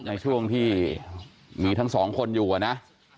ในช่วงที่มีทั้ง๒คนอยู่นะ